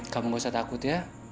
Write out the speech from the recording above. kamu gak usah takut ya